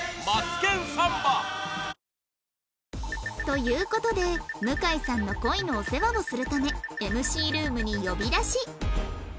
という事で向さんの恋のお世話をするため ＭＣ ルームに呼び出し